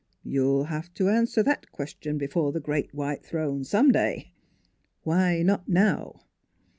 You'll have to answer that question before the great white throne, some day. Why not now?